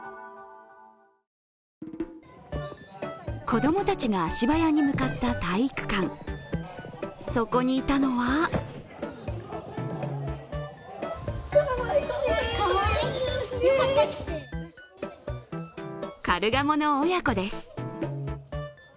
子供たちが足早に向かった体育館、そこにいたのはカルガモの親子です。